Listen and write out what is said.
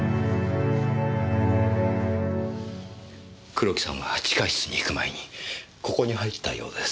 黒木さんは地下室に行く前にここに入ったようです。